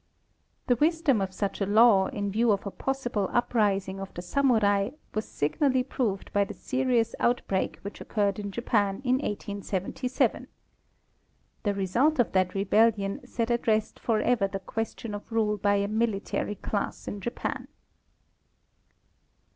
The wisdom of such a law, in view of a possible uprising of the samurai, was signally proved by the serious outbreak which oc curred in Japan in 1877. The result of that rebellion set at rest forever the question of rule by a military class in Japan.